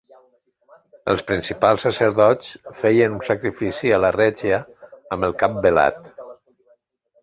Els principals sacerdots feien un sacrifici a la Règia amb el cap velat.